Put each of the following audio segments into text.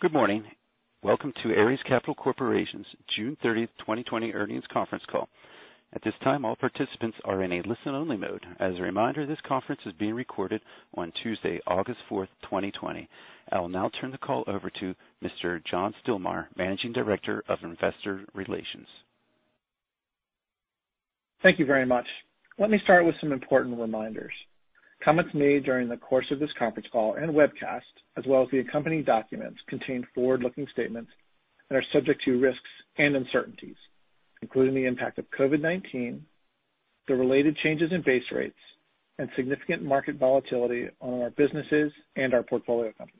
Good morning. Welcome to Ares Capital Corporation's June 30th, 2020 earnings conference call. At this time, all participants are in a listen only mode. As a reminder, this conference is being recorded on Tuesday, August 4th, 2020. I will now turn the call over to Mr. John Stilmar, Managing Director of Investor Relations. Thank you very much. Let me start with some important reminders. Comments made during the course of this conference call and webcast, as well as the accompanying documents, contain forward-looking statements and are subject to risks and uncertainties, including the impact of COVID-19, the related changes in base rates, and significant market volatility on our businesses and our portfolio companies.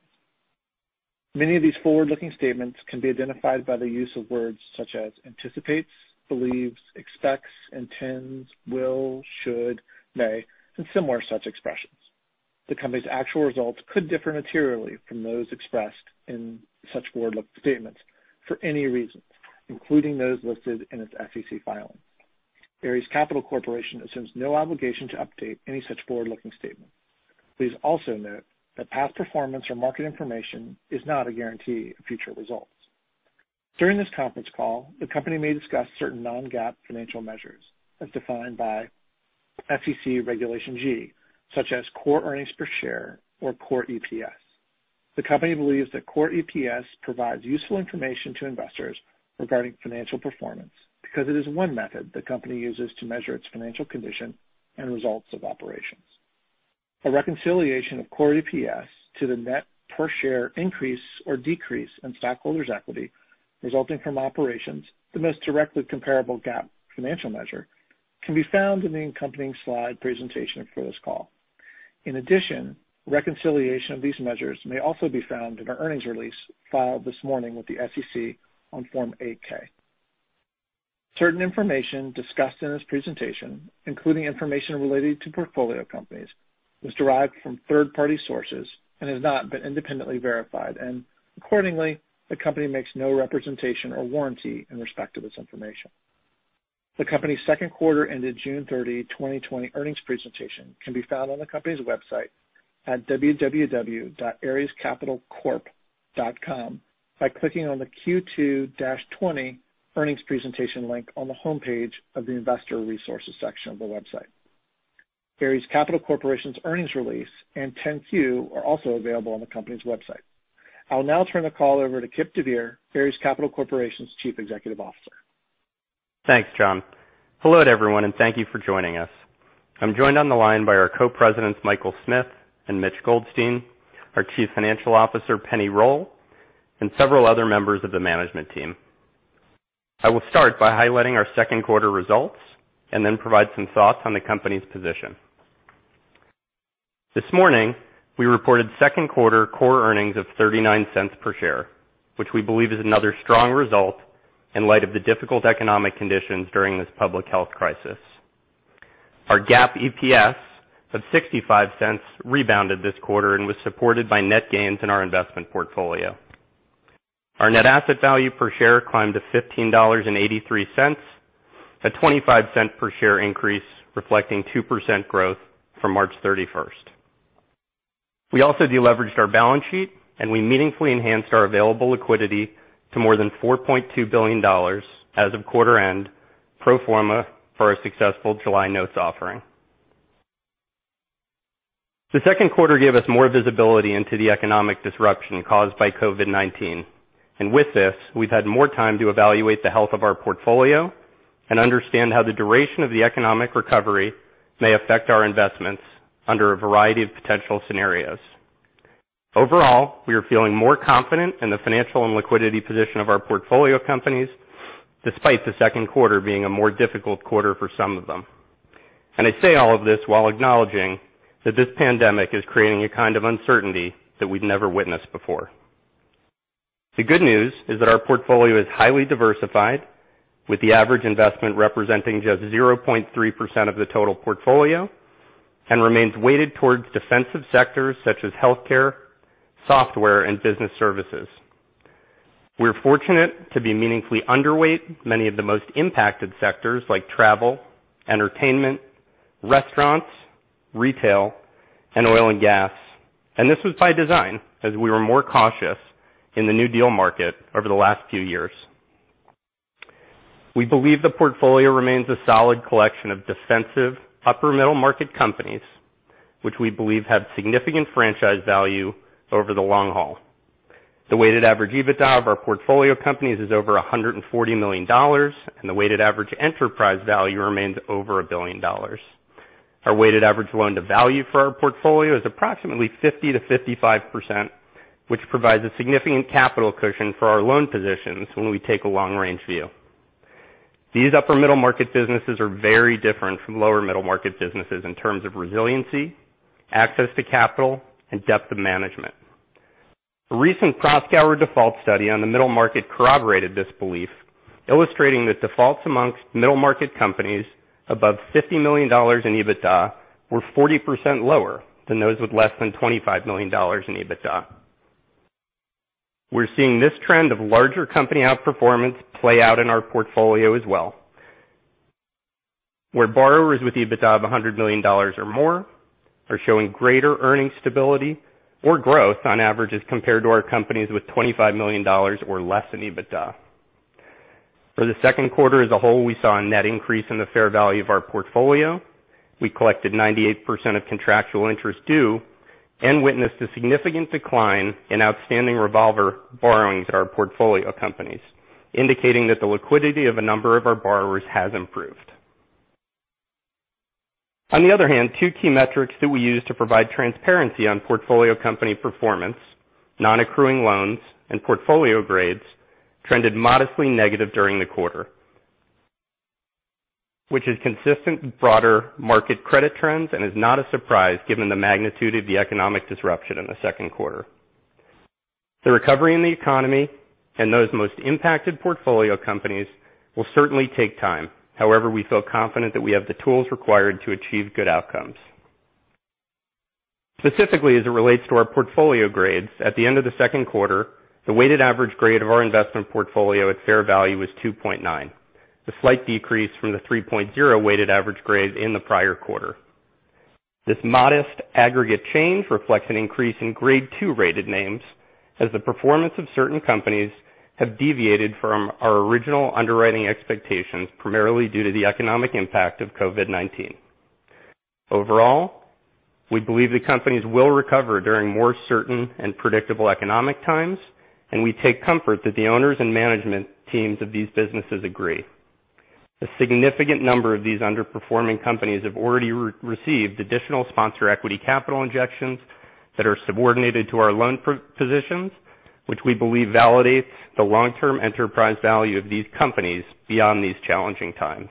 Many of these forward-looking statements can be identified by the use of words such as anticipates, believes, expects, intends, will, should, may, and similar such expressions. The company's actual results could differ materially from those expressed in such forward-looking statements for any reason, including those listed in its SEC filing. Ares Capital Corporation assumes no obligation to update any such forward-looking statement. Please also note that past performance or market information is not a guarantee of future results. During this conference call, the company may discuss certain non-GAAP financial measures as defined by SEC Regulation G, such as Core Earnings Per Share, or Core EPS. The company believes that Core EPS provides useful information to investors regarding financial performance because it is one method the company uses to measure its financial condition and results of operations. A reconciliation of Core EPS to the net per share increase or decrease in stockholders' equity resulting from operations, the most directly comparable GAAP financial measure, can be found in the accompanying slide presentation for this call. In addition, reconciliation of these measures may also be found in our earnings release filed this morning with the SEC on Form 8-K. Certain information discussed in this presentation, including information related to portfolio companies, was derived from third-party sources and has not been independently verified, and accordingly, the company makes no representation or warranty in respect to this information. The company's second quarter ended June 30th, 2020 earnings presentation can be found on the company's website at www.arescapitalcorp.com by clicking on the Q2-20 earnings presentation link on the homepage of the investor resources section of the website. Ares Capital Corporation's earnings release and 10-Q are also available on the company's website. I will now turn the call over to Kipp deVeer, Ares Capital Corporation's Chief Executive Officer. Thanks, John. Hello to everyone, and thank you for joining us. I'm joined on the line by our Co-Presidents, Michael Smith and Mitch Goldstein, our Chief Financial Officer, Penni Roll, and several other members of the management team. I will start by highlighting our second quarter results and then provide some thoughts on the company's position. This morning, we reported second quarter core earnings of $0.39 per share, which we believe is another strong result in light of the difficult economic conditions during this public health crisis. Our GAAP EPS of $0.65 rebounded this quarter and was supported by net gains in our investment portfolio. Our net asset value per share climbed to $15.83, a $0.25 per share increase reflecting 2% growth from March 31st. We also de-leveraged our balance sheet, and we meaningfully enhanced our available liquidity to more than $4.2 billion as of quarter end, pro forma for our successful July notes offering. The second quarter gave us more visibility into the economic disruption caused by COVID-19. With this, we've had more time to evaluate the health of our portfolio and understand how the duration of the economic recovery may affect our investments under a variety of potential scenarios. Overall, we are feeling more confident in the financial and liquidity position of our portfolio companies, despite the second quarter being a more difficult quarter for some of them. I say all of this while acknowledging that this pandemic is creating a kind of uncertainty that we've never witnessed before. The good news is that our portfolio is highly diversified, with the average investment representing just 0.3% of the total portfolio, and remains weighted towards defensive sectors such as healthcare, software, and business services. We're fortunate to be meaningfully underweight many of the most impacted sectors like travel, entertainment, restaurants, retail, and oil and gas. This was by design, as we were more cautious in the new deal market over the last few years. We believe the portfolio remains a solid collection of defensive upper middle market companies, which we believe have significant franchise value over the long haul. The weighted average EBITDA of our portfolio companies is over $140 million, and the weighted average enterprise value remains over a billion dollars. Our weighted average loan to value for our portfolio is approximately 50%-55%, which provides a significant capital cushion for our loan positions when we take a long range view. These upper middle market businesses are very different from lower middle market businesses in terms of resiliency, access to capital, and depth of management. A recent Proskauer default study on the middle market corroborated this belief, illustrating that defaults amongst middle market companies above $50 million in EBITDA were 40% lower than those with less than $25 million in EBITDA. We're seeing this trend of larger company outperformance play out in our portfolio as well, where borrowers with EBITDA of $100 million or more are showing greater earning stability or growth on average as compared to our companies with $25 million or less in EBITDA. For the second quarter as a whole, we saw a net increase in the fair value of our portfolio. We collected 98% of contractual interest due and witnessed a significant decline in outstanding revolver borrowings at our portfolio companies, indicating that the liquidity of a number of our borrowers has improved. Two key metrics that we use to provide transparency on portfolio company performance, non-accruing loans and portfolio grades, trended modestly negative during the quarter, which is consistent with broader market credit trends and is not a surprise given the magnitude of the economic disruption in the second quarter. The recovery in the economy and those most impacted portfolio companies will certainly take time. We feel confident that we have the tools required to achieve good outcomes. Specifically, as it relates to our portfolio grades, at the end of the second quarter, the weighted average grade of our investment portfolio at fair value was 2.9, a slight decrease from the 3.0 weighted average grade in the prior quarter. This modest aggregate change reflects an increase in grade 2 rated names as the performance of certain companies have deviated from our original underwriting expectations, primarily due to the economic impact of COVID-19. Overall, we believe the companies will recover during more certain and predictable economic times, and we take comfort that the owners and management teams of these businesses agree. A significant number of these underperforming companies have already received additional sponsor equity capital injections that are subordinated to our loan positions, which we believe validates the long-term enterprise value of these companies beyond these challenging times.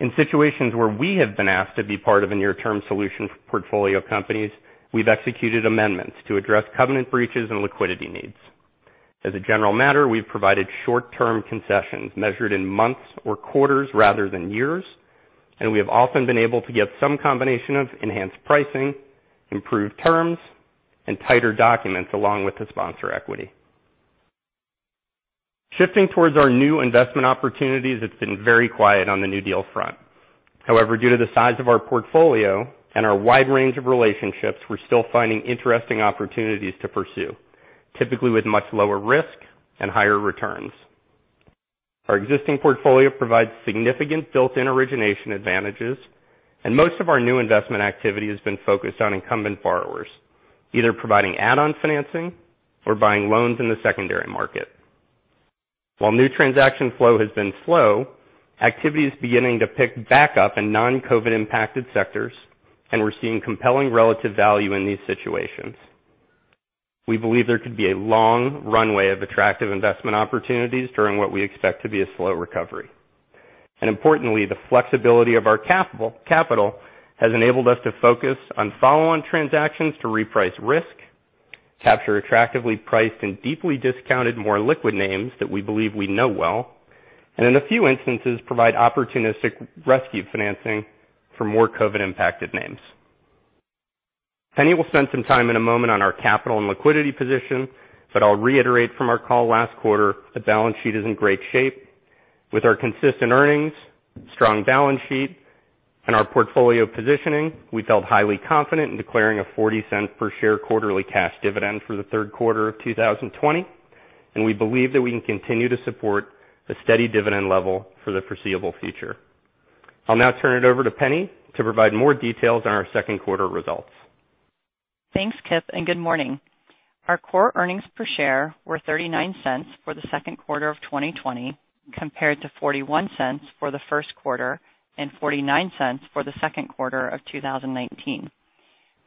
In situations where we have been asked to be part of a near-term solution for portfolio companies, we've executed amendments to address covenant breaches and liquidity needs. As a general matter, we've provided short-term concessions measured in months or quarters rather than years, and we have often been able to get some combination of enhanced pricing, improved terms, and tighter documents along with the sponsor equity. Shifting towards our new investment opportunities, it's been very quiet on the new deal front. However, due to the size of our portfolio and our wide range of relationships, we're still finding interesting opportunities to pursue, typically with much lower risk and higher returns. Our existing portfolio provides significant built-in origination advantages, and most of our new investment activity has been focused on incumbent borrowers, either providing add-on financing or buying loans in the secondary market. While new transaction flow has been slow, activity is beginning to pick back up in non-COVID impacted sectors, and we're seeing compelling relative value in these situations. We believe there could be a long runway of attractive investment opportunities during what we expect to be a slow recovery. Importantly, the flexibility of our capital has enabled us to focus on follow-on transactions to reprice risk, capture attractively priced and deeply discounted, more liquid names that we believe we know well, and in a few instances, provide opportunistic rescue financing for more COVID impacted names. Penni will spend some time in a moment on our capital and liquidity position, but I'll reiterate from our call last quarter that balance sheet is in great shape. With our consistent earnings, strong balance sheet, and our portfolio positioning, we felt highly confident in declaring a $0.40 per share quarterly cash dividend for the third quarter of 2020. We believe that we can continue to support a steady dividend level for the foreseeable future. I'll now turn it over to Penni to provide more details on our second quarter results. Thanks, Kipp. Good morning. Our Core earning per share were $0.39 for the second quarter of 2020, compared to $0.41 for the first quarter and $0.49 for the second quarter of 2019.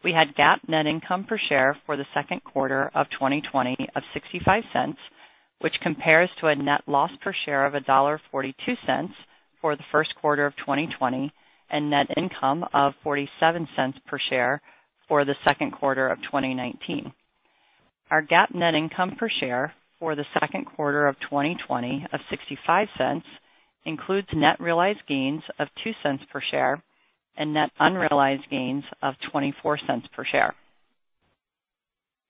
We had GAAP net income per share for the second quarter of 2020 of $0.65, which compares to a net loss per share of $1.42 for the first quarter of 2020 and net income of $0.47 per share for the second quarter of 2019. Our GAAP net income per share for the second quarter of 2020 of $0.65 includes net realized gains of $0.02 per share and net unrealized gains of $0.24 per share.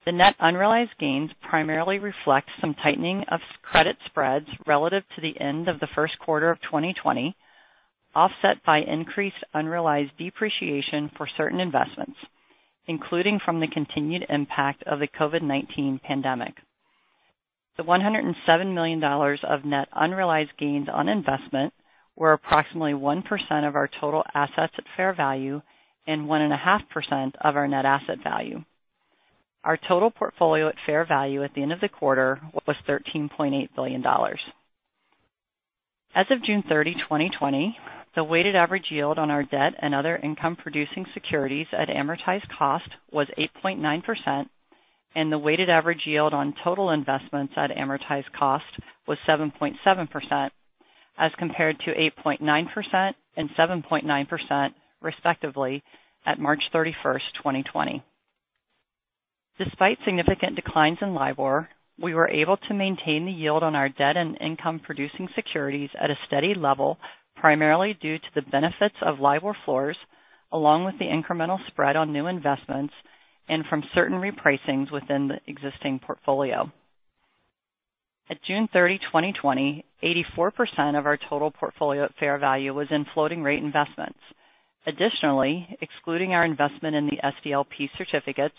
The net unrealized gains primarily reflect some tightening of credit spreads relative to the end of the first quarter of 2020, offset by increased unrealized depreciation for certain investments, including from the continued impact of the COVID-19 pandemic. The $107 million of net unrealized gains on investment were approximately 1% of our total assets at fair value and 1.5% of our net asset value. Our total portfolio at fair value at the end of the quarter was $13.8 billion. As of June 30, 2020, the weighted average yield on our debt and other income-producing securities at amortized cost was 8.9%, and the weighted average yield on total investments at amortized cost was 7.7%, as compared to 8.9% and 7.9%, respectively, at March 31st, 2020. Despite significant declines in LIBOR, we were able to maintain the yield on our debt and income-producing securities at a steady level. Primarily due to the benefits of LIBOR floors, along with the incremental spread on new investments and from certain repricings within the existing portfolio. At June 30, 2020, 84% of our total portfolio at fair value was in floating rate investments. Additionally, excluding our investment in the SDLP certificates,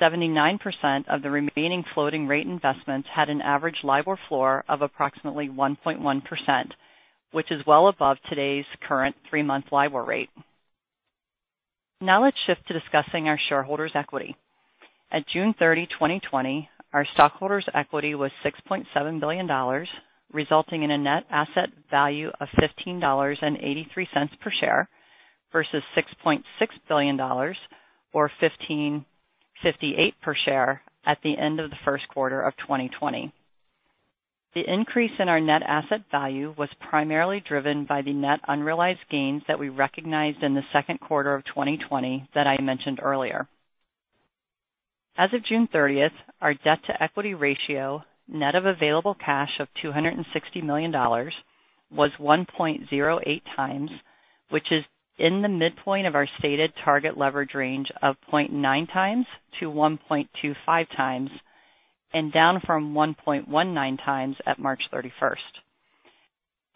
79% of the remaining floating rate investments had an average LIBOR floor of approximately 1.1%, which is well above today's current three-month LIBOR rate. Now let's shift to discussing our shareholders' equity. At June 30, 2020, our stockholders' equity was $6.7 billion, resulting in a net asset value of $15.83 per share versus $6.6 billion, or $15.58 per share at the end of the first quarter of 2020. The increase in our net asset value was primarily driven by the net unrealized gains that we recognized in the second quarter of 2020 that I mentioned earlier. As of June 30th, our debt-to-equity ratio, net of available cash of $260 million, was 1.08x, which is in the midpoint of our stated target leverage range of 0.9x-1.25x and down from 1.19x at March 31st.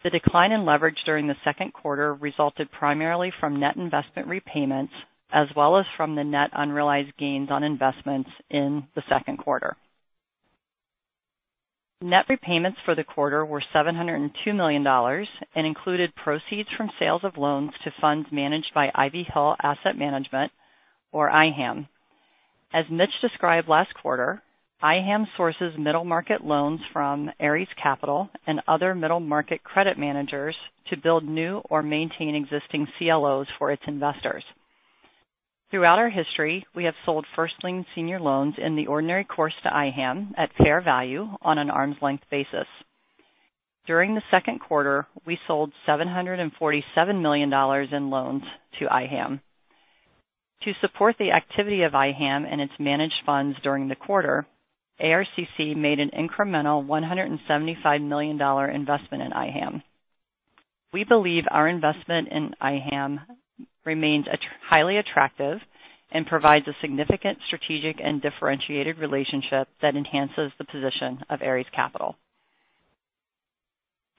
The decline in leverage during the second quarter resulted primarily from net investment repayments, as well as from the net unrealized gains on investments in the second quarter. Net repayments for the quarter were $702 million and included proceeds from sales of loans to funds managed by Ivy Hill Asset Management, or IHAM. As Mitch described last quarter, IHAM sources middle market loans from Ares Capital and other middle-market credit managers to build new or maintain existing CLOs for its investors. Throughout our history, we have sold first-lien senior loans in the ordinary course to IHAM at fair value on an arm's length basis. During the second quarter, we sold $747 million in loans to IHAM. To support the activity of IHAM and its managed funds during the quarter, ARCC made an incremental $175 million investment in IHAM. We believe our investment in IHAM remains highly attractive and provides a significant strategic and differentiated relationship that enhances the position of Ares Capital.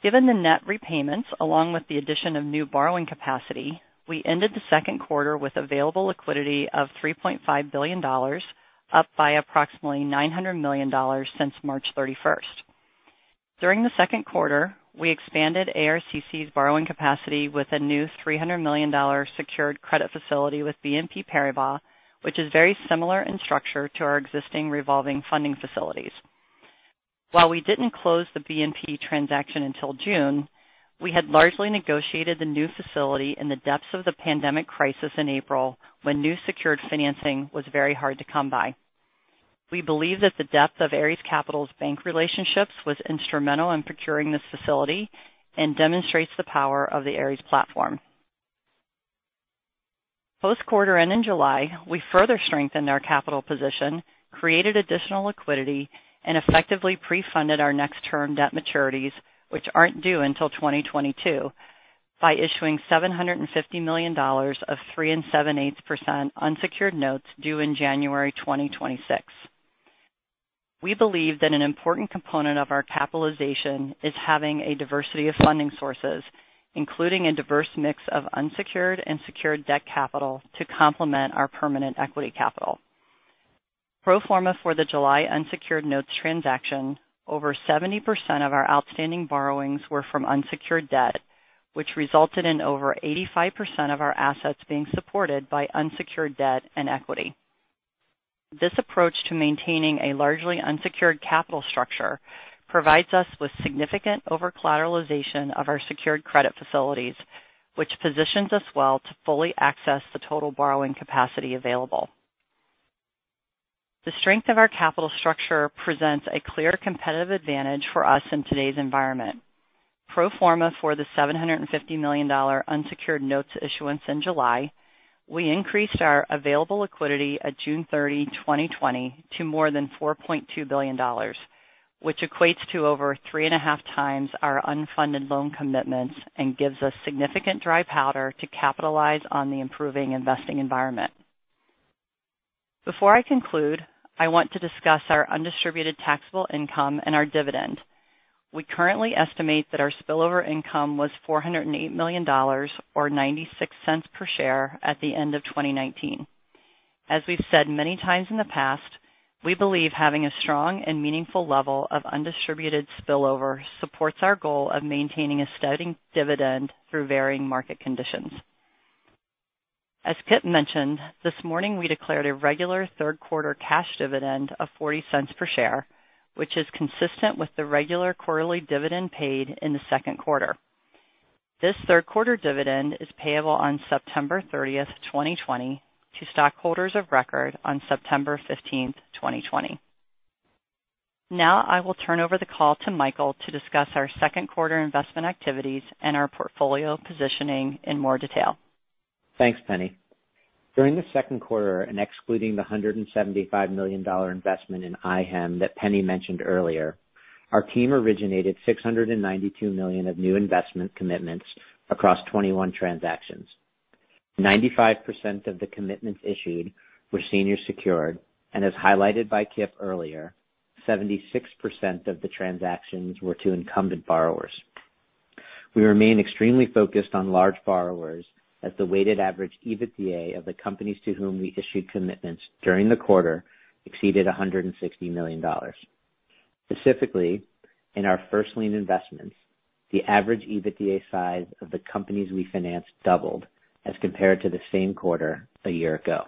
Given the net repayments, along with the addition of new borrowing capacity, we ended the second quarter with available liquidity of $3.5 billion, up by approximately $900 million since March 31st. During the second quarter, we expanded ARCC's borrowing capacity with a new $300 million secured credit facility with BNP Paribas, which is very similar in structure to our existing revolving funding facilities. While we didn't close the BNP transaction until June, we had largely negotiated the new facility in the depths of the pandemic crisis in April, when new secured financing was very hard to come by. We believe that the depth of Ares Capital's bank relationships was instrumental in procuring this facility and demonstrates the power of the Ares platform. Post quarter and in July, we further strengthened our capital position, created additional liquidity, and effectively pre-funded our next term debt maturities, which aren't due until 2022, by issuing $750 million of 3.875% unsecured notes due in January 2026. We believe that an important component of our capitalization is having a diversity of funding sources, including a diverse mix of unsecured and secured debt capital to complement our permanent equity capital. Pro forma for the July unsecured notes transaction, over 70% of our outstanding borrowings were from unsecured debt, which resulted in over 85% of our assets being supported by unsecured debt and equity. This approach to maintaining a largely unsecured capital structure provides us with significant over-collateralization of our secured credit facilities, which positions us well to fully access the total borrowing capacity available. The strength of our capital structure presents a clear competitive advantage for us in today's environment. Pro forma for the $750 million unsecured notes issuance in July, we increased our available liquidity at June 30, 2020, to more than $4.2 billion, which equates to over three and a half times our unfunded loan commitments and gives us significant dry powder to capitalize on the improving investing environment. Before I conclude, I want to discuss our undistributed taxable income and our dividend. We currently estimate that our spillover income was $408 million, or $0.96 per share at the end of 2019. As we've said many times in the past, we believe having a strong and meaningful level of undistributed spillover supports our goal of maintaining a steady dividend through varying market conditions. As Kipp mentioned, this morning we declared a regular third quarter cash dividend of $0.40 per share, which is consistent with the regular quarterly dividend paid in the second quarter. This third quarter dividend is payable on September 30th, 2020, to stockholders of record on September 15th, 2020. I will turn over the call to Michael to discuss our second quarter investment activities and our portfolio positioning in more detail. Thanks, Penni. During the second quarter and excluding the $175 million investment in IHAM that Penni mentioned earlier, our team originated $692 million of new investment commitments across 21 transactions. 95% of the commitments issued were senior secured, and as highlighted by Kipp earlier, 76% of the transactions were to incumbent borrowers. We remain extremely focused on large borrowers as the weighted average EBITDA of the companies to whom we issued commitments during the quarter exceeded $160 million. Specifically, in our first lien investments, the average EBITDA size of the companies we financed doubled as compared to the same quarter a year ago.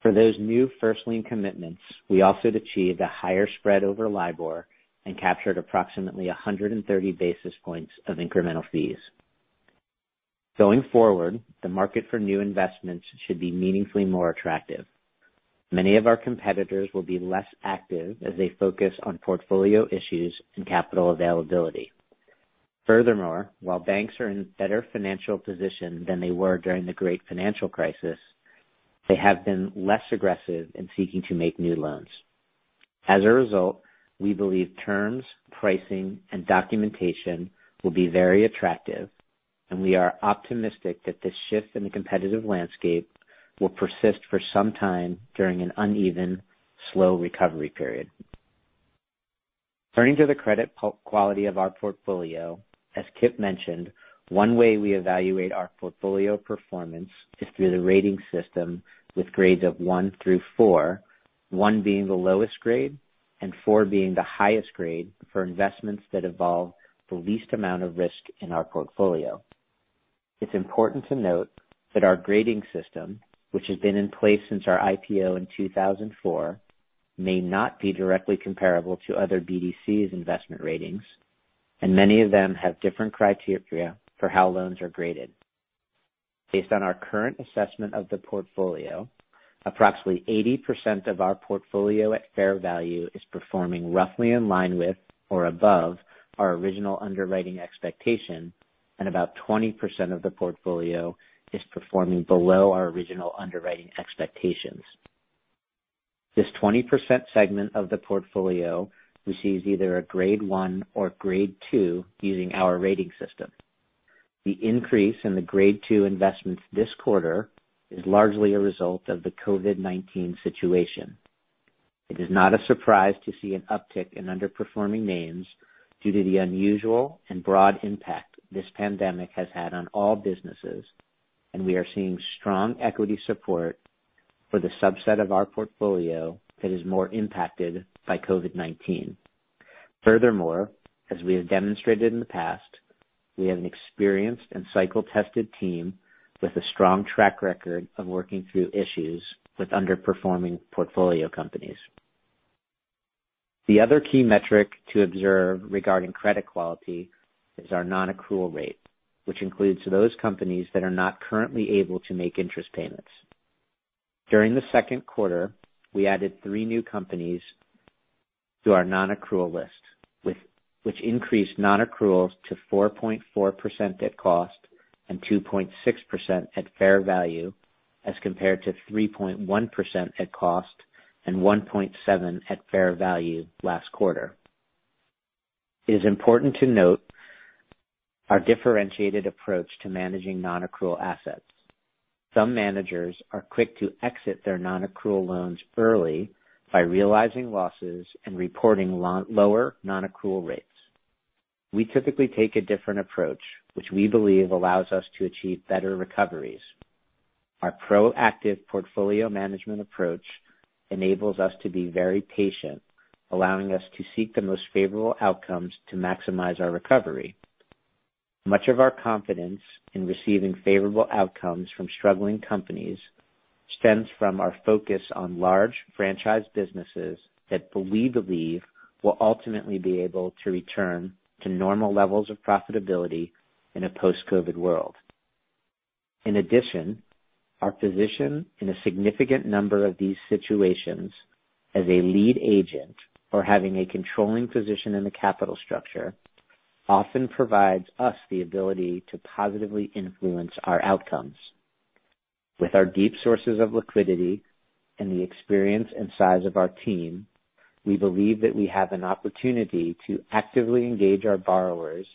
For those new first lien commitments, we also achieved a higher spread over LIBOR and captured approximately 130 basis points of incremental fees. Going forward, the market for new investments should be meaningfully more attractive. Many of our competitors will be less active as they focus on portfolio issues and capital availability. While banks are in better financial position than they were during the Great Financial Crisis, they have been less aggressive in seeking to make new loans. We believe terms, pricing, and documentation will be very attractive, and we are optimistic that this shift in the competitive landscape will persist for some time during an uneven, slow recovery period. Turning to the credit quality of our portfolio, as Kipp mentioned, one way we evaluate our portfolio performance is through the rating system with grades of one through four, one being the lowest grade and four being the highest grade for investments that involve the least amount of risk in our portfolio. It's important to note that our grading system, which has been in place since our IPO in 2004, may not be directly comparable to other BDCs investment ratings. Many of them have different criteria for how loans are graded. Based on our current assessment of the portfolio, approximately 80% of our portfolio at fair value is performing roughly in line with or above our original underwriting expectation. About 20% of the portfolio is performing below our original underwriting expectations. This 20% segment of the portfolio receives either a grade 1 or grade 2 using our rating system. The increase in the grade 2 investments this quarter is largely a result of the COVID-19 situation. It is not a surprise to see an uptick in underperforming names due to the unusual and broad impact this pandemic has had on all businesses, and we are seeing strong equity support for the subset of our portfolio that is more impacted by COVID-19. Furthermore, as we have demonstrated in the past, we have an experienced and cycle-tested team with a strong track record of working through issues with underperforming portfolio companies. The other key metric to observe regarding credit quality is our non-accrual rate, which includes those companies that are not currently able to make interest payments. During the second quarter, we added three new companies to our non-accrual list, which increased non-accruals to 4.4% at cost and 2.6% at fair value as compared to 3.1% at cost and 1.7% at fair value last quarter. It is important to note our differentiated approach to managing non-accrual assets. Some managers are quick to exit their non-accrual loans early by realizing losses and reporting lower non-accrual rates. We typically take a different approach, which we believe allows us to achieve better recoveries. Our proactive portfolio management approach enables us to be very patient, allowing us to seek the most favorable outcomes to maximize our recovery. Much of our confidence in receiving favorable outcomes from struggling companies stems from our focus on large franchise businesses that we believe will ultimately be able to return to normal levels of profitability in a post-COVID world. In addition, our position in a significant number of these situations as a lead agent or having a controlling position in the capital structure often provides us the ability to positively influence our outcomes. With our deep sources of liquidity and the experience and size of our team, we believe that we have an opportunity to actively engage our borrowers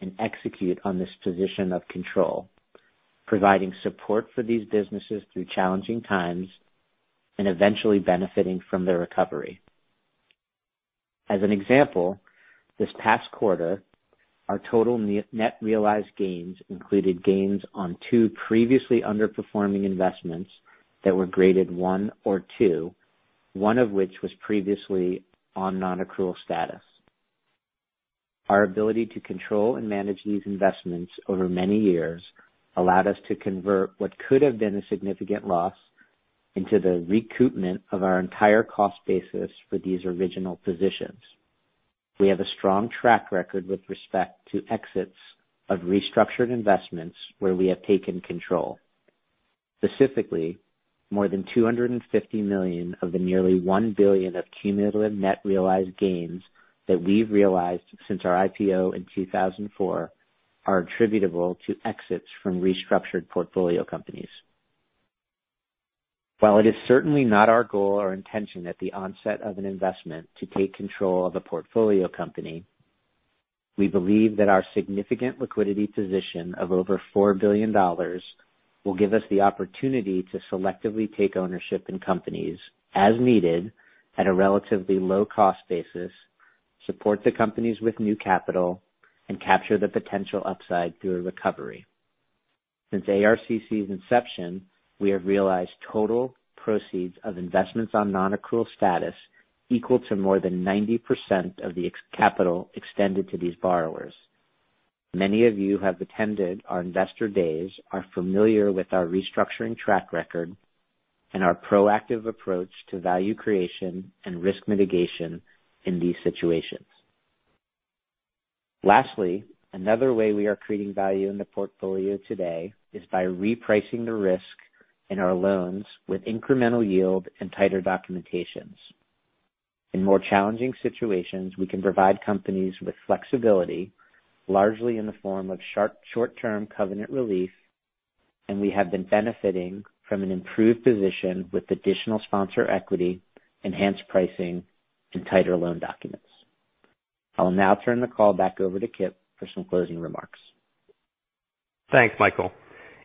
and execute on this position of control, providing support for these businesses through challenging times and eventually benefiting from their recovery. As an example, this past quarter, our total net realized gains included gains on two previously underperforming investments that were graded 1 or 2, one of which was previously on non-accrual status. Our ability to control and manage these investments over many years allowed us to convert what could have been a significant loss into the recoupment of our entire cost basis for these original positions. We have a strong track record with respect to exits of restructured investments where we have taken control. Specifically, more than $250 million of the nearly $1 billion of cumulative net realized gains that we've realized since our IPO in 2004 are attributable to exits from restructured portfolio companies. While it is certainly not our goal or intention at the onset of an investment to take control of a portfolio company, we believe that our significant liquidity position of over $4 billion will give us the opportunity to selectively take ownership in companies as needed at a relatively low cost basis, support the companies with new capital, and capture the potential upside through a recovery. Since ARCC's inception, we have realized total proceeds of investments on non-accrual status equal to more than 90% of the capital extended to these borrowers. Many of you who have attended our investor days are familiar with our restructuring track record and our proactive approach to value creation and risk mitigation in these situations. Lastly, another way we are creating value in the portfolio today is by repricing the risk in our loans with incremental yield and tighter documentations. In more challenging situations, we can provide companies with flexibility, largely in the form of short-term covenant relief, and we have been benefiting from an improved position with additional sponsor equity, enhanced pricing, and tighter loan documents. I will now turn the call back over to Kipp for some closing remarks. Thanks, Michael.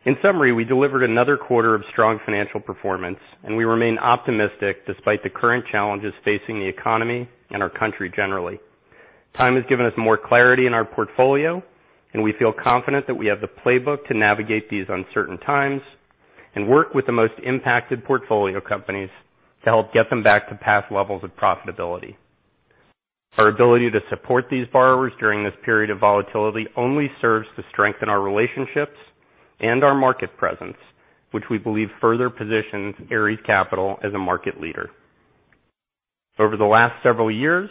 In summary, we delivered another quarter of strong financial performance, and we remain optimistic despite the current challenges facing the economy and our country generally. Time has given us more clarity in our portfolio, and we feel confident that we have the playbook to navigate these uncertain times and work with the most impacted portfolio companies to help get them back to past levels of profitability. Our ability to support these borrowers during this period of volatility only serves to strengthen our relationships and our market presence, which we believe further positions Ares Capital as a market leader. Over the last several years,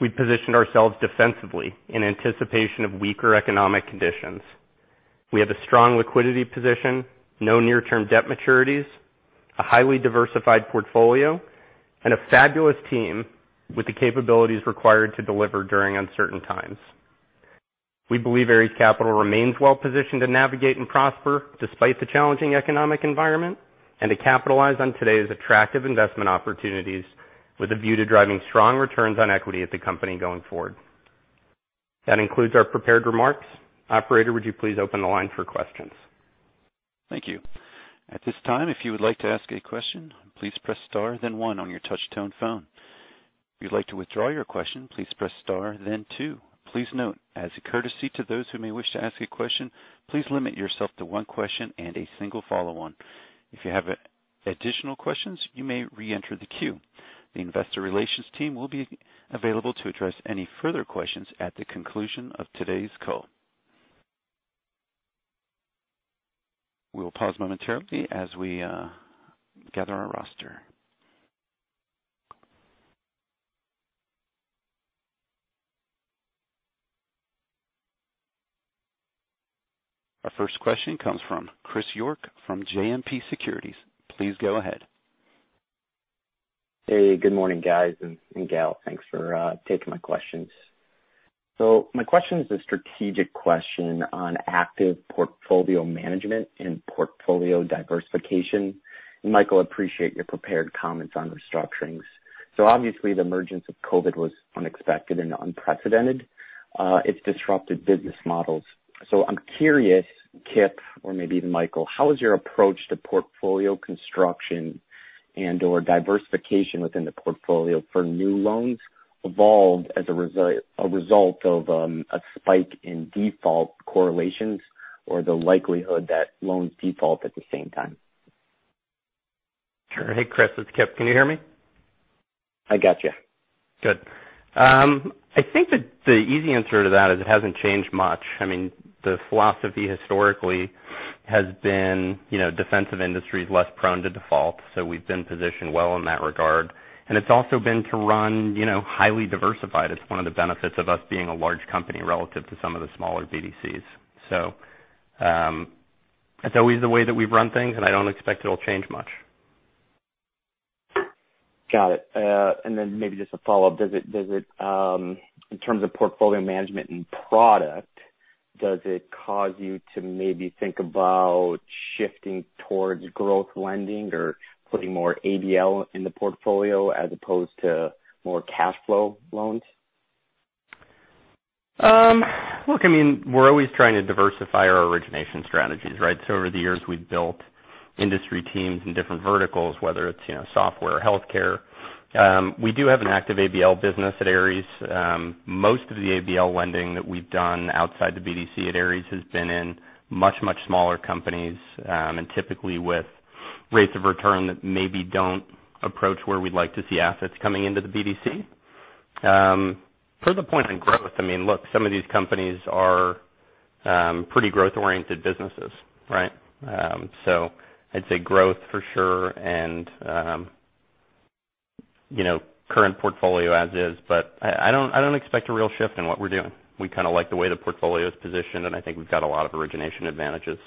we positioned ourselves defensively in anticipation of weaker economic conditions. We have a strong liquidity position, no near-term debt maturities, a highly diversified portfolio, and a fabulous team with the capabilities required to deliver during uncertain times. We believe Ares Capital remains well positioned to navigate and prosper despite the challenging economic environment and to capitalize on today's attractive investment opportunities with a view to driving strong returns on equity at the company going forward. That includes our prepared remarks. Operator, would you please open the line for questions? Thank you. At this time, if you would like to ask a question, please press star then one on your touch-tone phone. If you'd like to withdraw your question, please press star then two. Please note, as a courtesy to those who may wish to ask a question, please limit yourself to one question and a single follow-on. If you have additional questions, you may reenter the queue. The investor relations team will be available to address any further questions at the conclusion of today's call. We will pause momentarily as we gather our roster. Our first question comes from Chris York from JMP Securities. Please go ahead. Hey, good morning, guys and gal. Thanks for taking my questions. My question is a strategic question on active portfolio management and portfolio diversification. Michael, appreciate your prepared comments on restructurings. Obviously, the emergence of COVID was unexpected and unprecedented. It's disrupted business models. I'm curious, Kipp, or maybe even Michael, how has your approach to portfolio construction and/or diversification within the portfolio for new loans evolved as a result of a spike in default correlations or the likelihood that loans default at the same time? Sure. Hey, Chris, it's Kipp. Can you hear me? I got you. Good. I think that the easy answer to that is it hasn't changed much. I mean, the philosophy historically has been defensive industries less prone to default, so we've been positioned well in that regard. It's also been to run highly diversified. It's one of the benefits of us being a large company relative to some of the smaller BDCs. That's always the way that we've run things, and I don't expect it'll change much. Got it. Maybe just a follow-up. Does it, in terms of portfolio management and product, does it cause you to maybe think about shifting towards growth lending or putting more ABL in the portfolio as opposed to more cash flow loans? Look, I mean, we're always trying to diversify our origination strategies, right? Over the years, we've built industry teams in different verticals, whether it's software or healthcare. We do have an active ABL business at Ares. Most of the ABL lending that we've done outside the BDC at Ares has been in much, much smaller companies, and typically with rates of return that maybe don't approach where we'd like to see assets coming into the BDC. Per the point on growth, I mean, look, some of these companies are pretty growth-oriented businesses, right? I'd say growth for sure and current portfolio as is, but I don't expect a real shift in what we're doing. We kind of like the way the portfolio is positioned, and I think we've got a lot of origination advantages.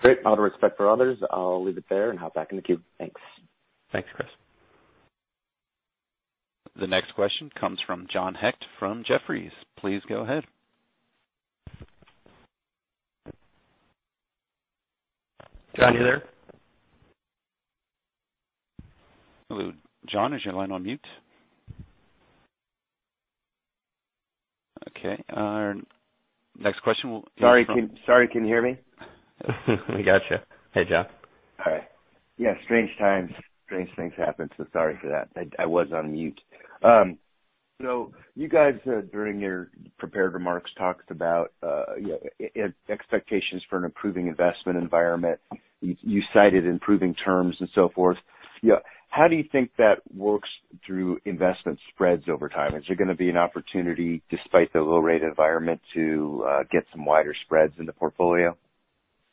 Great. Out of respect for others, I'll leave it there and hop back in the queue. Thanks. Thanks, Chris. The next question comes from John Hecht from Jefferies. Please go ahead. John, are you there? Hello, John, is your line on mute? Okay, our next question. Sorry, can you hear me? We got you. Hey, John. Hi. Yeah, strange times. Strange things happen, so sorry for that. I was on mute. You guys, during your prepared remarks, talked about expectations for an improving investment environment. You cited improving terms and so forth. How do you think that works through investment spreads over time? Is there going to be an opportunity, despite the low rate environment, to get some wider spreads in the portfolio?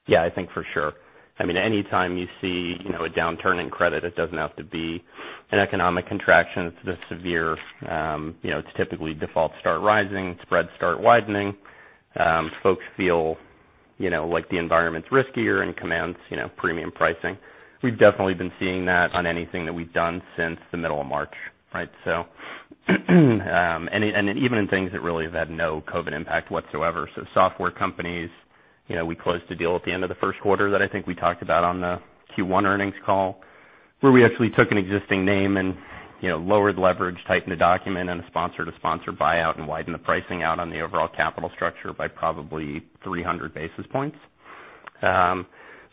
Yeah, I think for sure. I mean, anytime you see a downturn in credit, it doesn't have to be an economic contraction. It's typically defaults start rising, spreads start widening. Folks feel like the environment's riskier and commands premium pricing. We've definitely been seeing that on anything that we've done since the middle of March, right? And even in things that really have had no COVID-19 impact whatsoever. Software companies. We closed a deal at the end of the first quarter that I think we talked about on the Q1 earnings call, where we actually took an existing name and lowered leverage, tightened a document on a sponsor to sponsor buyout, and widened the pricing out on the overall capital structure by probably 300 basis points.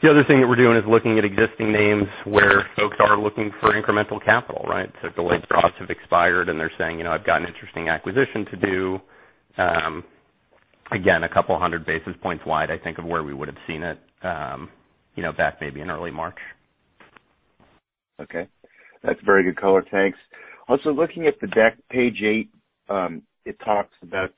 The other thing that we're doing is looking at existing names where folks are looking for incremental capital, right? Delayed draws have expired, and they're saying, "I've got an interesting acquisition to do." Again, 200 basis points wide, I think, of where we would've seen it back maybe in early March. Okay. That's very good color. Thanks. Looking at the deck, page eight, it talks about,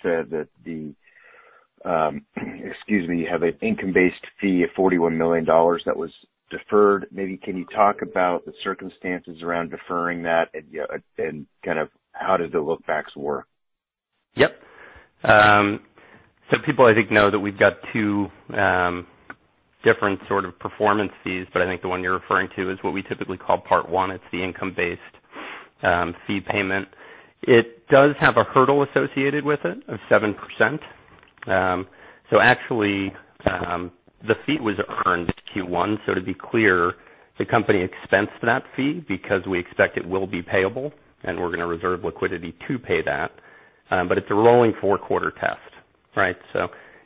excuse me, you have an income-based fee of $41 million that was deferred. Maybe can you talk about the circumstances around deferring that and kind of how did the look-backs work? Yep. People, I think, know that we've got two different sort of performance fees, but I think the one you're referring to is what we typically call part one. It's the income-based fee payment. It does have a hurdle associated with it of 7%. Actually, the fee was earned Q1. To be clear, the company expensed that fee because we expect it will be payable, and we're going to reserve liquidity to pay that. It's a rolling four-quarter test, right?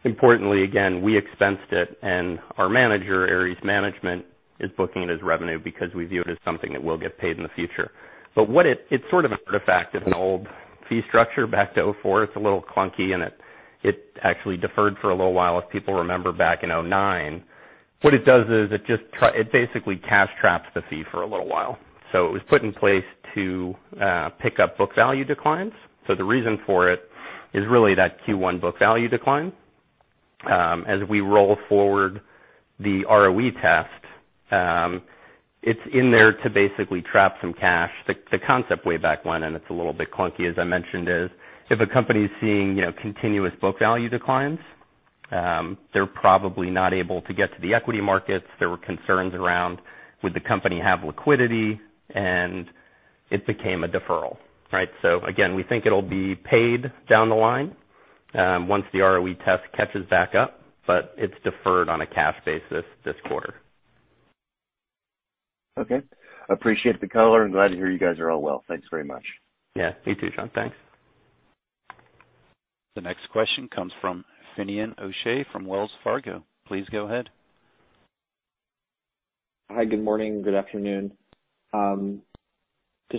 Importantly, again, we expensed it, and our manager, Ares Management, is booking it as revenue because we view it as something that will get paid in the future. It's sort of an artifact of an old fee structure back to 2004. It's a little clunky, and it actually deferred for a little while, as people remember back in 2009. What it does is it basically cash traps the fee for a little while. It was put in place to pick up book value declines. The reason for it is really that Q1 book value decline. As we roll forward the ROE test, it's in there to basically trap some cash. The concept way back when, and it's a little bit clunky, as I mentioned, is if a company's seeing continuous book value declines, they're probably not able to get to the equity markets. There were concerns around would the company have liquidity, and it became a deferral, right? Again, we think it'll be paid down the line once the ROE test catches back up, but it's deferred on a cash basis this quarter. Okay. Appreciate the color, and glad to hear you guys are all well. Thanks very much. Yeah, you too, John. Thanks. The next question comes from Finian O'Shea from Wells Fargo. Please go ahead. Hi, good morning, good afternoon. To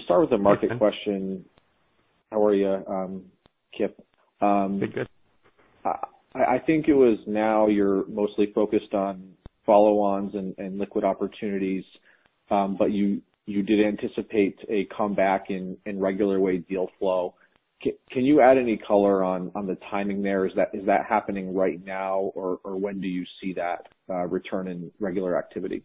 start with a market question, how are you, Kipp? Good. I think it was now you're mostly focused on follow-ons and liquid opportunities, but you did anticipate a comeback in regular wage deal flow. Can you add any color on the timing there? Is that happening right now, or when do you see that return in regular activity?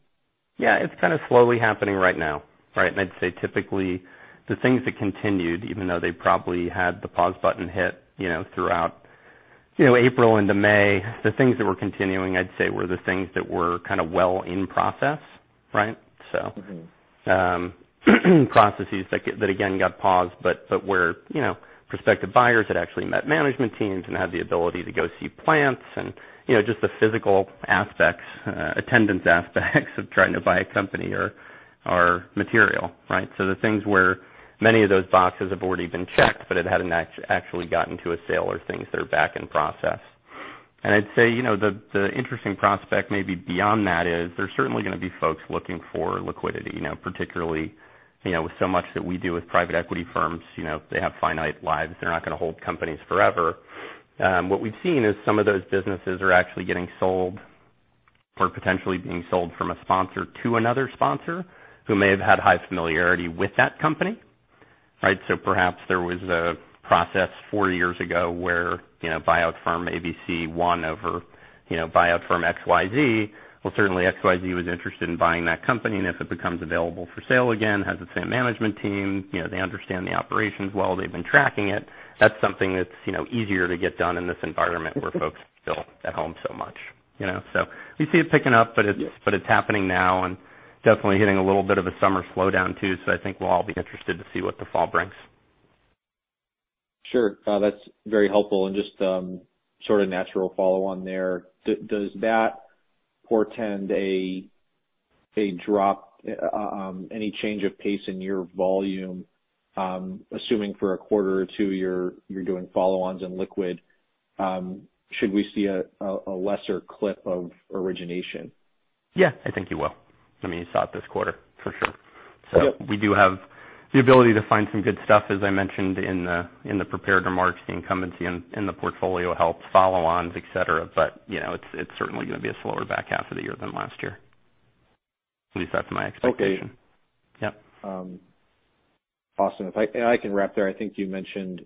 It's kind of slowly happening right now, right? I'd say typically the things that continued, even though they probably had the pause button hit throughout April into May, the things that were continuing, I'd say, were the things that were kind of well in process, right? Processes that again got paused but where prospective buyers had actually met management teams and had the ability to go see plants and just the physical aspects, attendance aspects of trying to buy a company are material, right? The things where many of those boxes have already been checked but it hadn't actually gotten to a sale are things that are back in process. I'd say the interesting prospect may be beyond that is there's certainly going to be folks looking for liquidity. Particularly with so much that we do with private equity firms. They have finite lives. They're not going to hold companies forever. What we've seen is some of those businesses are actually getting sold or potentially being sold from a sponsor to another sponsor who may have had high familiarity with that company. Right. Perhaps there was a process four years ago where buyout firm ABC won over buyout firm XYZ. Well, certainly XYZ was interested in buying that company, and if it becomes available for sale again, has the same management team, they understand the operations well, they've been tracking it. That's something that's easier to get done in this environment where folks are still at home so much. We see it picking up. Yes. It's happening now, and definitely hitting a little bit of a summer slowdown too. I think we'll all be interested to see what the fall brings. Sure. That's very helpful. Just sort of natural follow on there, does that portend a drop, any change of pace in your volume, assuming for a quarter or two you're doing follow-ons and liquid, should we see a lesser clip of origination? Yeah, I think you will. I mean, you saw it this quarter for sure. Yep. We do have the ability to find some good stuff, as I mentioned in the prepared remarks, the incumbency in the portfolio helps follow-ons, et cetera. It's certainly going to be a slower back half of the year than last year. At least that's my expectation. Okay. Yep. Awesome. If I can wrap there, I think you mentioned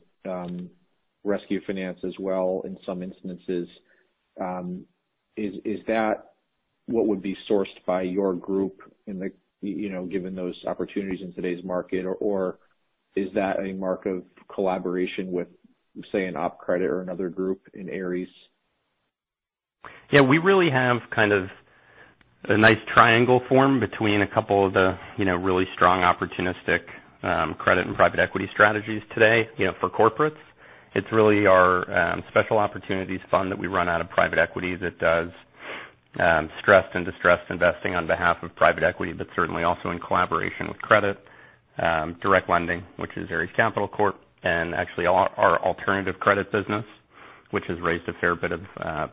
rescue finance as well, in some instances. Is that what would be sourced by your group given those opportunities in today's market, or is that a mark of collaboration with, say, an op credit or another group in Ares? Yeah, we really have kind of a nice triangle form between a couple of the really strong opportunistic credit and private equity strategies today. For corporates, it's really our Special Opportunities Fund that we run out of private equity that does stressed and distressed investing on behalf of private equity, certainly also in collaboration with credit, direct lending, which is Ares Capital Corporation. Actually our alternative credit business, which has raised a fair bit of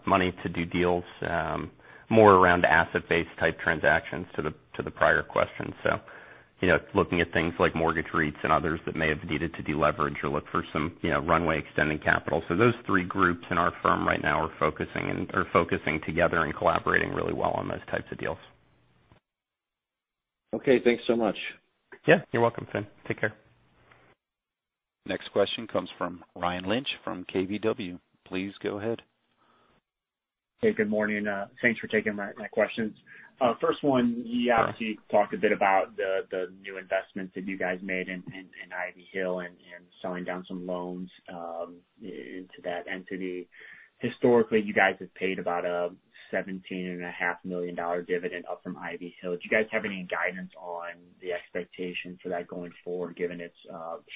money to do deals more around asset-based type transactions to the prior question. Looking at things like mortgage REITs and others that may have needed to deleverage or look for some runway extending capital. Those three groups in our firm right now are focusing together and collaborating really well on those types of deals. Okay, thanks so much. Yeah, you're welcome, Finian. Take care. Next question comes from Ryan Lynch from KBW. Please go ahead. Hey, good morning. Thanks for taking my questions. First one, you obviously talked a bit about the new investments that you guys made in Ivy Hill and selling down some loans into that entity. Historically, you guys have paid about a $17.5 million dividend up from Ivy Hill. Do you guys have any guidance on the expectation for that going forward, given its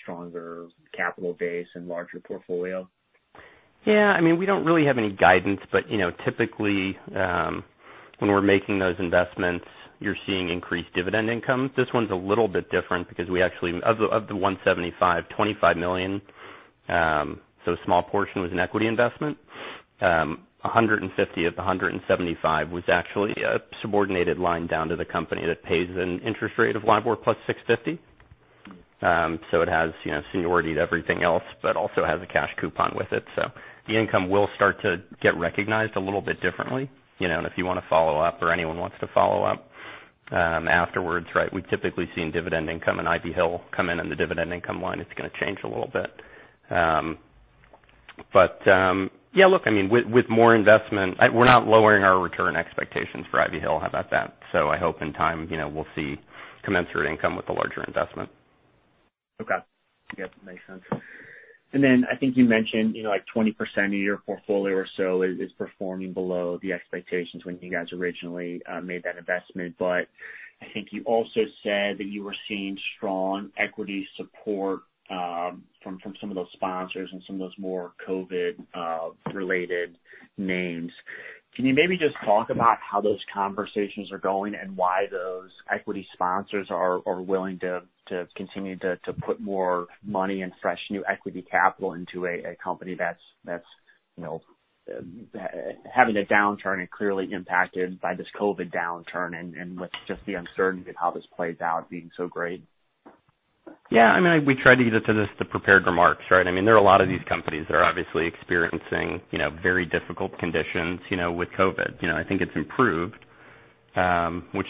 stronger capital base and larger portfolio? Yeah, I mean, we don't really have any guidance, but typically, when we're making those investments, you're seeing increased dividend income. This one's a little bit different because of the $175, $25 million, so a small portion was an equity investment. 150 of the 175 was actually a subordinated line down to the company that pays an interest rate of LIBOR plus 650. It has seniority to everything else, but also has a cash coupon with it. The income will start to get recognized a little bit differently, and if you want to follow up or anyone wants to follow up afterwards, right, we've typically seen dividend income and Ivy Hill come in on the dividend income line. It's going to change a little bit. Yeah, look, I mean, with more investment, we're not lowering our return expectations for Ivy Hill. How about that? I hope in time, we'll see commensurate income with the larger investment. Okay. Yep, makes sense. I think you mentioned like 20% of your portfolio or so is performing below the expectations when you guys originally made that investment. I think you also said that you were seeing strong equity support from some of those sponsors and some of those more COVID-19-related names. Can you maybe just talk about how those conversations are going and why those equity sponsors are willing to continue to put more money and fresh new equity capital into a company that's having a downturn and clearly impacted by this COVID-19 downturn and with just the uncertainty of how this plays out being so great? Yeah, I mean, we tried to get to this in the prepared remarks, right? I mean, there are a lot of these companies that are obviously experiencing very difficult conditions with COVID-19. I think it's improved, which